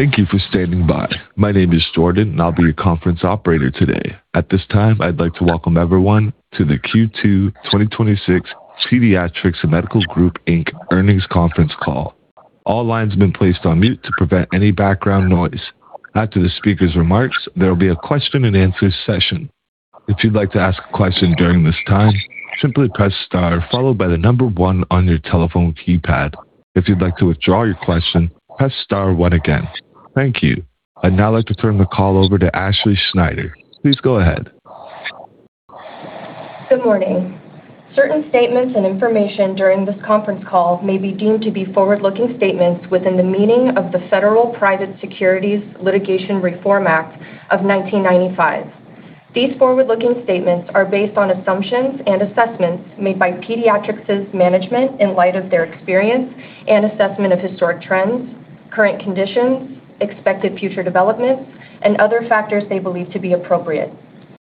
Thank you for standing by. My name is Jordan, and I'll be your conference operator today. At this time, I'd like to welcome everyone to the Q2 2026 Pediatrix Medical Group, Inc. earnings conference call. All lines have been placed on mute to prevent any background noise. After the speaker's remarks, there will be a question and answer session. If you'd like to ask a question during this time, simply press star followed by the number one on your telephone keypad. If you'd like to withdraw your question, press star one again. Thank you. I'd now like to turn the call over to Ashley Snyder. Please go ahead. Good morning. Certain statements and information during this conference call may be deemed to be forward-looking statements within the meaning of the Federal Private Securities Litigation Reform Act of 1995. These forward-looking statements are based on assumptions and assessments made by Pediatrix's management in light of their experience and assessment of historic trends, current conditions, expected future developments, and other factors they believe to be appropriate.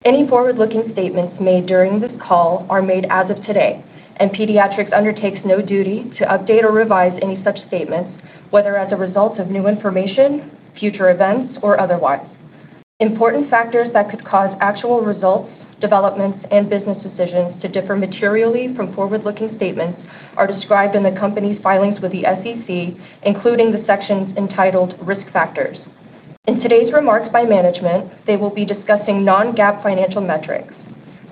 Any forward-looking statements made during this call are made as of today. Pediatrix undertakes no duty to update or revise any such statements, whether as a result of new information, future events, or otherwise. Important factors that could cause actual results, developments, and business decisions to differ materially from forward-looking statements are described in the company's filings with the SEC, including the sections entitled Risk Factors. In today's remarks by management, they will be discussing non-GAAP financial metrics.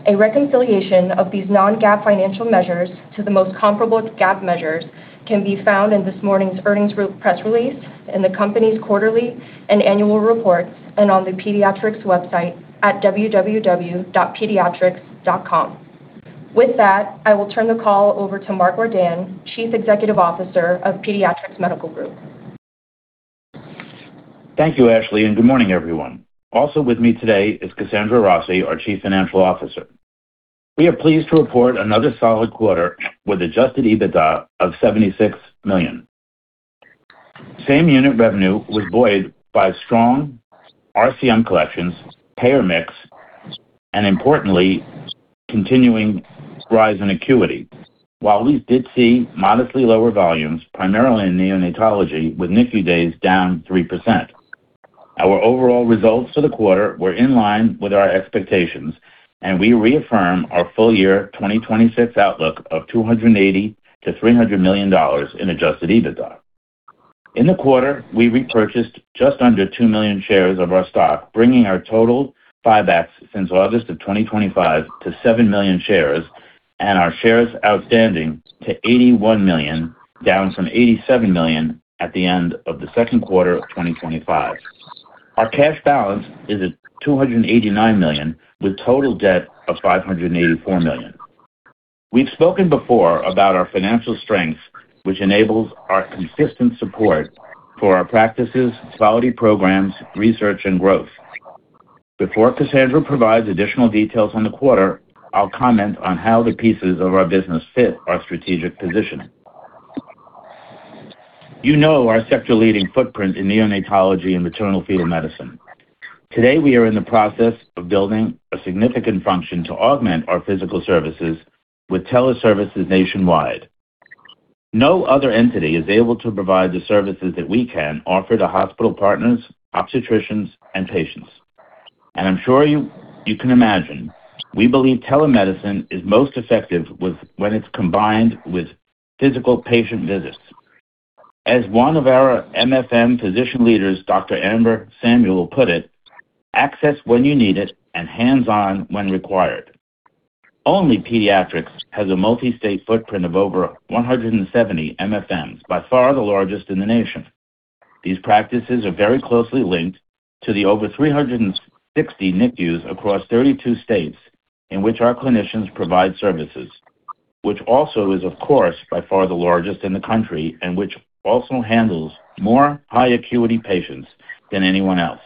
A reconciliation of these non-GAAP financial measures to the most comparable GAAP measures can be found in this morning's earnings press release, in the company's quarterly and annual reports, and on the Pediatrix website at www.pediatrix.com. I will turn the call over to Mark Ordan, Chief Executive Officer of Pediatrix Medical Group. Thank you, Ashley. Good morning, everyone. Also with me today is Kasandra Rossi, our Chief Financial Officer. We are pleased to report another solid quarter with adjusted EBITDA of $76 million. Same unit revenue was buoyed by strong RCM collections, payer mix, importantly, continuing rise in acuity. While we did see modestly lower volumes, primarily in neonatology, with NICU days down 3%. Our overall results for the quarter were in line with our expectations. We reaffirm our full year 2026 outlook of $280 million-$300 million in adjusted EBITDA. In the quarter, we repurchased just under two million shares of our stock, bringing our total buybacks since August of 2025 to 7 million shares and our shares outstanding to 81 million, down from 87 million at the end of the second quarter of 2025. Our cash balance is at $289 million, with total debt of $584 million. We've spoken before about our financial strength, which enables our consistent support for our practices, quality programs, research, and growth. Before Kasandra provides additional details on the quarter, I'll comment on how the pieces of our business fit our strategic positioning. You know our sector-leading footprint in neonatology and Maternal-fetal medicine. Today, we are in the process of building a significant function to augment our physical services with teleservices nationwide. No other entity is able to provide the services that we can offer to hospital partners, obstetricians, and patients. I'm sure you can imagine, we believe telemedicine is most effective when it's combined with physical patient visits. As one of our MFM physician leaders, Dr. Amber Samuel, put it, "Access when you need it and hands-on when required." Only Pediatrix has a multi-state footprint of over 170 MFMs, by far the largest in the nation. These practices are very closely linked to the over 360 NICUs across 32 states in which our clinicians provide services, which also is, of course, by far the largest in the country and which also handles more high acuity patients than anyone else.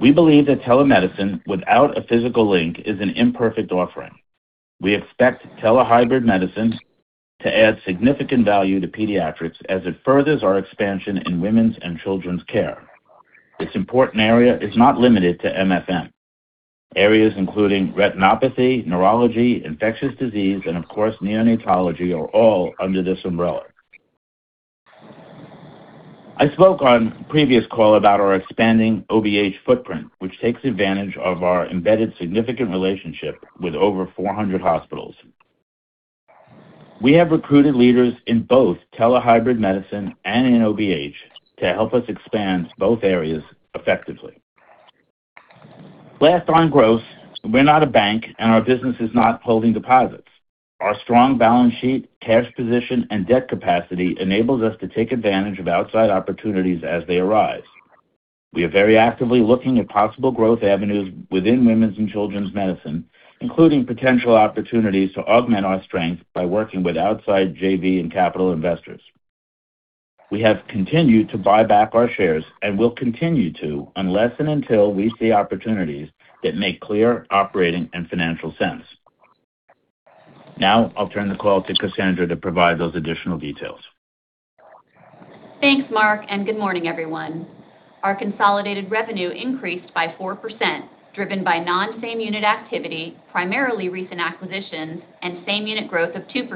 We believe that telemedicine without a physical link is an imperfect offering. We expect tele-hybrid medicines to add significant value to Pediatrix as it furthers our expansion in women's and children's care. This important area is not limited to MFM. Areas including retinopathy, neurology, infectious disease, and of course, neonatology are all under this umbrella. I spoke on a previous call about our expanding OBH footprint, which takes advantage of our embedded significant relationship with over 400 hospitals. We have recruited leaders in both tele-hybrid medicine and in OBH to help us expand both areas effectively. Last on growth, we're not a bank and our business is not holding deposits. Our strong balance sheet, cash position, and debt capacity enables us to take advantage of outside opportunities as they arise. We are very actively looking at possible growth avenues within women's and children's medicine, including potential opportunities to augment our strength by working with outside JV and capital investors. We have continued to buy back our shares and will continue to, unless and until we see opportunities that make clear operating and financial sense. Now I'll turn the call to Kasandra to provide those additional details. Thanks, Mark. Good morning, everyone. Our consolidated revenue increased by 4%, driven by non-same unit activity, primarily recent acquisitions and same unit growth of 2%.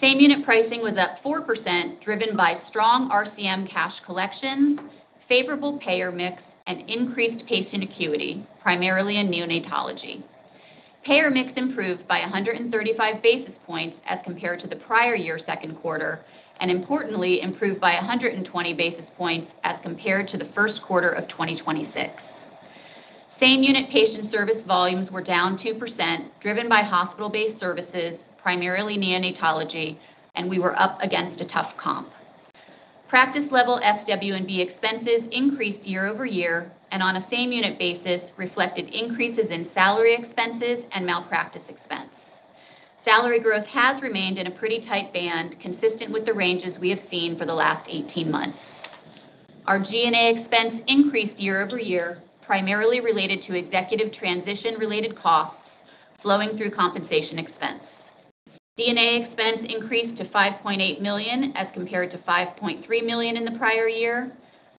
Same unit pricing was up 4%, driven by strong RCM cash collections, favorable payer mix, and increased patient acuity, primarily in neonatology. Payer mix improved by 135 basis points as compared to the prior year second quarter, and importantly, improved by 120 basis points as compared to the first quarter of 2026. Same unit patient service volumes were down 2%, driven by hospital-based services, primarily neonatology, and we were up against a tough comp. Practice level SW&B expenses increased year-over-year, and on a same unit basis, reflected increases in salary expenses and malpractice expense. Salary growth has remained in a pretty tight band, consistent with the ranges we have seen for the last 18 months. Our G&A expense increased year-over-year, primarily related to executive transition-related costs flowing through compensation expense. G&A expense increased to $5.8 million as compared to $5.3 million in the prior year,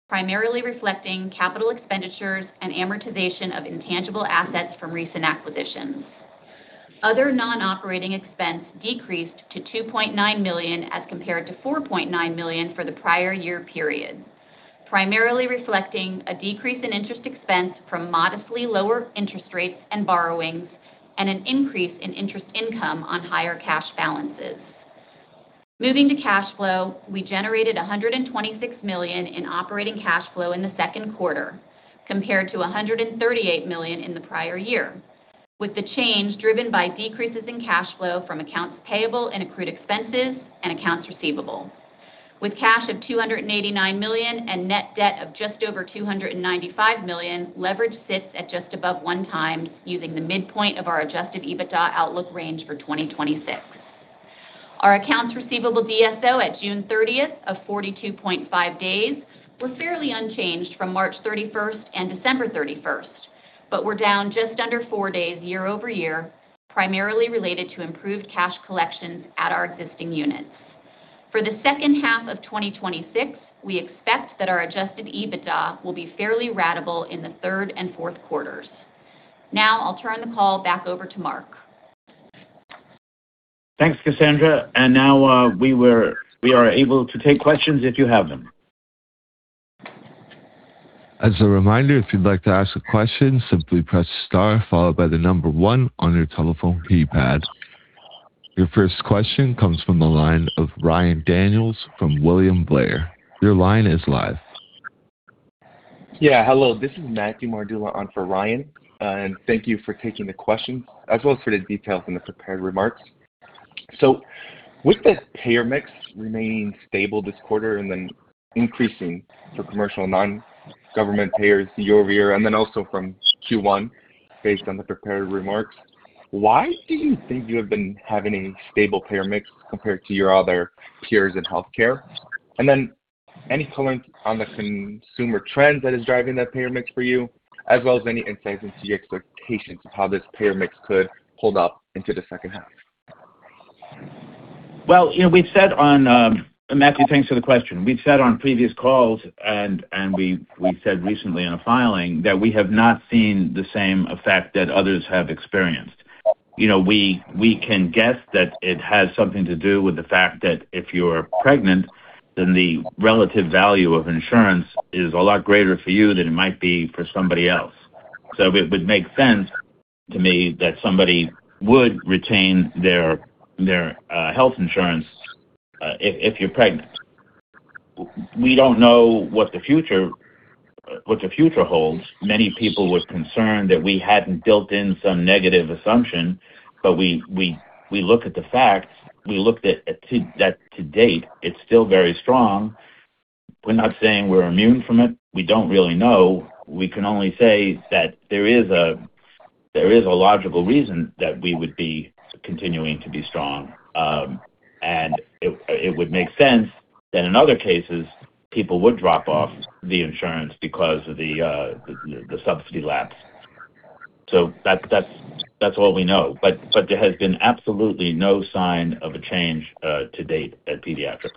primarily reflecting capital expenditures and amortization of intangible assets from recent acquisitions. Other non-operating expense decreased to $2.9 million as compared to $4.9 million for the prior year period, primarily reflecting a decrease in interest expense from modestly lower interest rates and borrowings, and an increase in interest income on higher cash balances. Moving to cash flow, we generated $126 million in operating cash flow in the second quarter, compared to $138 million in the prior year, with the change driven by decreases in cash flow from accounts payable and accrued expenses and accounts receivable. With cash of $289 million and net debt of just over $295 million, leverage sits at just above one time using the midpoint of our adjusted EBITDA outlook range for 2026. Our accounts receivable DSO at June 30th of 42.5 days were fairly unchanged from March 31st and December 31st, but were down just under four days year-over-year, primarily related to improved cash collections at our existing units. For the second half of 2026, we expect that our adjusted EBITDA will be fairly ratable in the third and fourth quarters. Now, I'll turn the call back over to Mark. Thanks, Kasandra. Now, we are able to take questions if you have them. As a reminder, if you'd like to ask a question, simply press star followed by the number one on your telephone keypad. Your first question comes from the line of Ryan Daniels from William Blair. Your line is live. Yeah, hello. This is Matthew Mardula on for Ryan. Thank you for taking the question as well as for the details in the prepared remarks. With the payer mix remaining stable this quarter and then increasing for commercial non-government payers year-over-year, and then also from Q1, based on the prepared remarks, why do you think you have been having a stable payer mix compared to your other peers in healthcare? Any comments on the consumer trend that is driving that payer mix for you, as well as any insights into your expectations of how this payer mix could hold up into the second half? Matthew, thanks for the question. We've said on previous calls, we said recently in a filing that we have not seen the same effect that others have experienced. We can guess that it has something to do with the fact that if you're pregnant, then the relative value of insurance is a lot greater for you than it might be for somebody else. It would make sense to me that somebody would retain their health insurance if you're pregnant. We don't know what the future holds. Many people was concerned that we hadn't built in some negative assumption, we look at the facts. We looked at, to date, it's still very strong. We're not saying we're immune from it. We don't really know. We can only say that there is a logical reason that we would be continuing to be strong. It would make sense that in other cases, people would drop off the insurance because of the subsidy lapse. That's all we know. There has been absolutely no sign of a change to date at Pediatrix.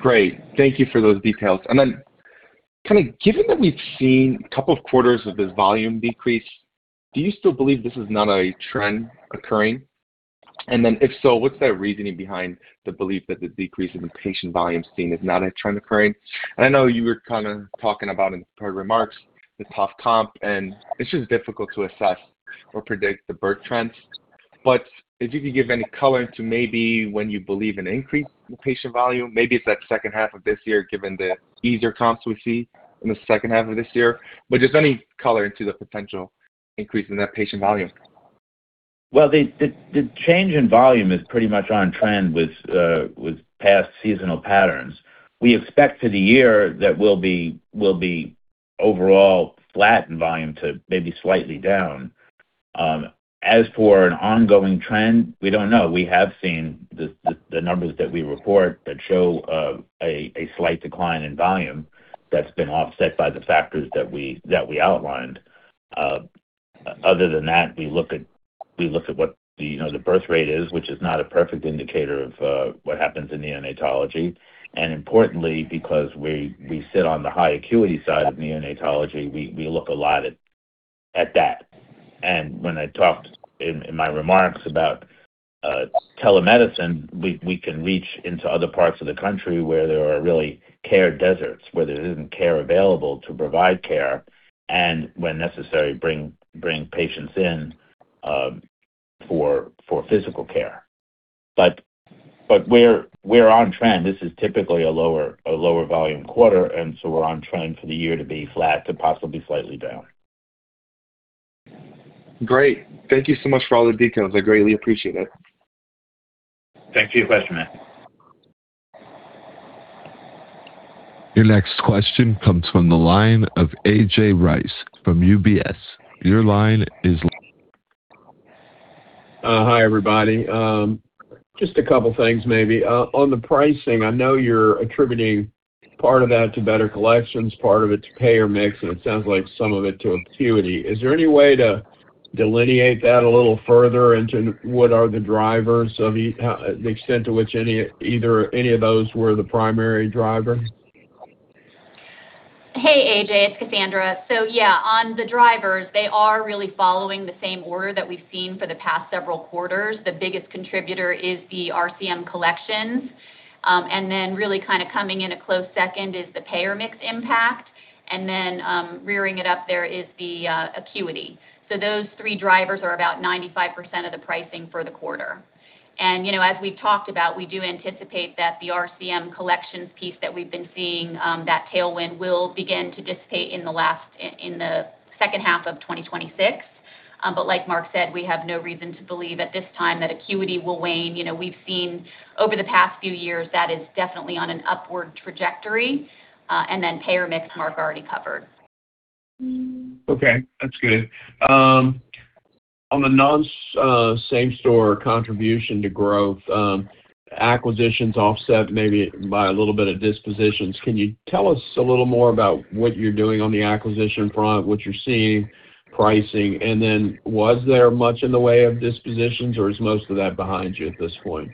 Great. Thank you for those details. Given that we've seen a couple of quarters of this volume decrease, do you still believe this is not a trend occurring? If so, what's that reasoning behind the belief that the decrease in the patient volume seen is not a trend occurring? I know you were talking about in the prepared remarks, the tough comp, and it's just difficult to assess or predict the birth trends. If you could give any color into maybe when you believe an increase in patient volume, maybe it's that second half of this year, given the easier comps we see in the second half of this year. Just any color into the potential increase in that patient volume. Well, the change in volume is pretty much on trend with past seasonal patterns. We expect for the year that we'll be overall flat in volume to maybe slightly down. As for an ongoing trend, we don't know. We have seen the numbers that we report that show a slight decline in volume that's been offset by the factors that we outlined. Other than that, we look at what the birth rate is, which is not a perfect indicator of what happens in neonatology. Importantly, because we sit on the high acuity side of neonatology, we look a lot at that. When I talked in my remarks about telemedicine, we can reach into other parts of the country where there are really care deserts, where there isn't care available to provide care, and when necessary, bring patients in for physical care. We're on trend. This is typically a lower volume quarter, we're on trend for the year to be flat to possibly slightly down. Great. Thank you so much for all the details. I greatly appreciate it. Thanks for your question, Matthew. Your next question comes from the line of A.J. Rice from UBS. Your line is. Hi, everybody. Just a couple of things maybe. On the pricing, I know you're attributing part of that to better collections, part of it to payer mix, and it sounds like some of it to acuity. Is there any way to delineate that a little further into what are the drivers of the extent to which either any of those were the primary driver? Hey, A.J., it's Kasandra. Yeah, on the drivers, they are really following the same order that we've seen for the past several quarters. The biggest contributor is the RCM collections. Really coming in a close second is the payer mix impact. Rearing it up there is the acuity. Those three drivers are about 95% of the pricing for the quarter. As we've talked about, we do anticipate that the RCM collections piece that we've been seeing, that tailwind, will begin to dissipate in the second half of 2026. Like Mark said, we have no reason to believe at this time that acuity will wane. We've seen over the past few years, that is definitely on an upward trajectory. Payer mix, Mark already covered. Okay, that's good. On the non same-store contribution to growth, acquisitions offset maybe by a little bit of dispositions. Can you tell us a little more about what you're doing on the acquisition front, what you're seeing, pricing? Was there much in the way of dispositions, or is most of that behind you at this point?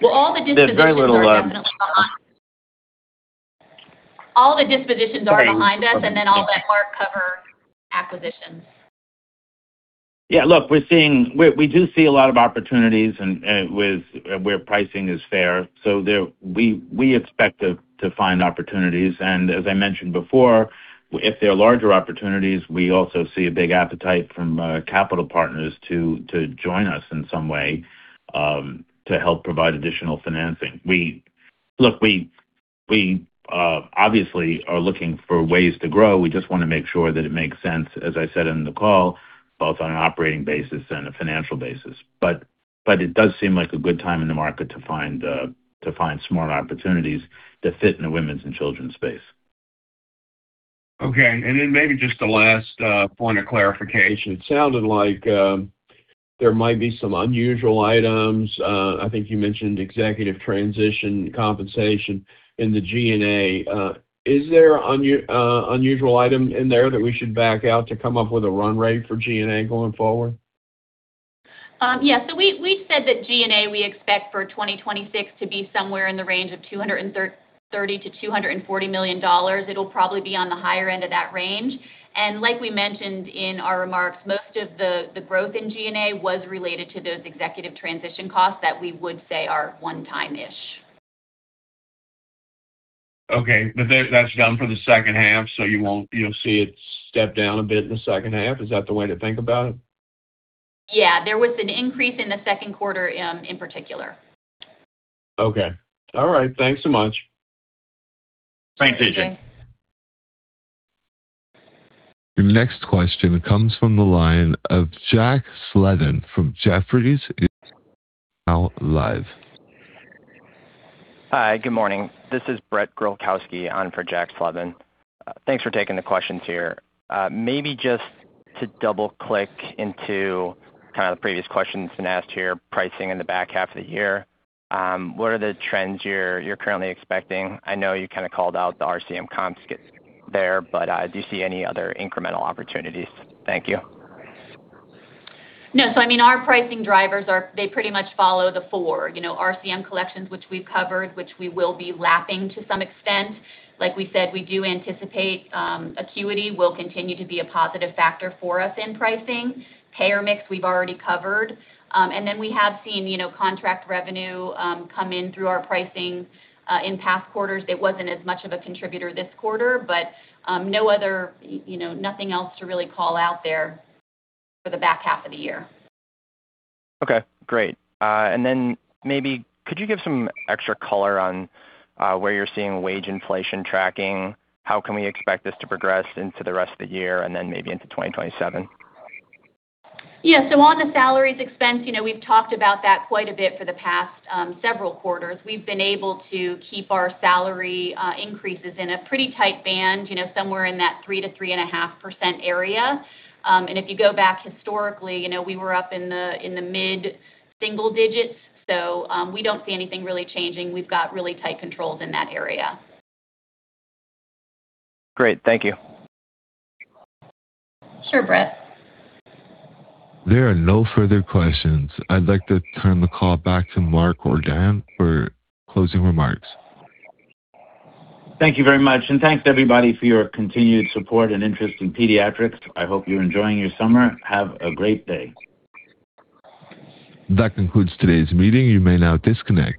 Well, all the dispositions are definitely behind- There's very little- All the dispositions are behind us, and then I'll let Mark cover acquisitions. Look, we do see a lot of opportunities where pricing is fair. We expect to find opportunities, and as I mentioned before, if there are larger opportunities, we also see a big appetite from capital partners to join us in some way, to help provide additional financing. Look, we obviously are looking for ways to grow. We just want to make sure that it makes sense, as I said in the call, both on an operating basis and a financial basis. It does seem like a good time in the market to find smart opportunities that fit in the women's and children's space. Okay. Maybe just the last point of clarification. It sounded like there might be some unusual items. I think you mentioned executive transition compensation in the G&A. Is there an unusual item in there that we should back out to come up with a run rate for G&A going forward? We said that G&A, we expect for 2026 to be somewhere in the range of $230 million-$240 million. It'll probably be on the higher end of that range. Like we mentioned in our remarks, most of the growth in G&A was related to those executive transition costs that we would say are one-time-ish. Okay. That's done for the second half, so you'll see it step down a bit in the second half. Is that the way to think about it? Yeah. There was an increase in the second quarter in particular. Okay. All right. Thanks so much. Thanks, AJ. Thanks. Your next question comes from the line of Jack Slevin from Jefferies. Is now live. Hi, good morning. This is Brett Grulkowski on for Jack Slevin. Thanks for taking the questions here. Maybe just to double-click into kind of the previous questions been asked here, pricing in the back half of the year. What are the trends you're currently expecting? I know you kind of called out the RCM comps there, but do you see any other incremental opportunities? Thank you. I mean, our pricing drivers are, they pretty much follow the four. RCM collections, which we've covered, which we will be lapping to some extent. Like we said, we do anticipate acuity will continue to be a positive factor for us in pricing. Payer mix, we've already covered. We have seen contract revenue come in through our pricing in past quarters. It wasn't as much of a contributor this quarter, but nothing else to really call out there for the back half of the year. Okay, great. Maybe could you give some extra color on where you're seeing wage inflation tracking? How can we expect this to progress into the rest of the year and then maybe into 2027? On the salaries expense, we've talked about that quite a bit for the past several quarters. We've been able to keep our salary increases in a pretty tight band, somewhere in that 3%-3.5% area. If you go back historically, we were up in the mid-single digits. We don't see anything really changing. We've got really tight controls in that area. Great. Thank you. Sure, Brett. There are no further questions. I'd like to turn the call back to Mark Ordan for closing remarks. Thank you very much. Thanks everybody for your continued support and interest in Pediatrix. I hope you're enjoying your summer. Have a great day. That concludes today's meeting. You may now disconnect.